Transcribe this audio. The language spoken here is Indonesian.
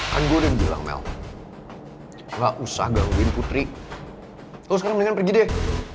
kan gue udah bilang melk gak usah gangguin putri terus sekarang mendingan pergi deh